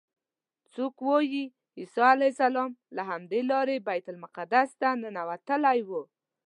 څوک وایي عیسی علیه السلام له همدې لارې بیت المقدس ته ننوتلی و.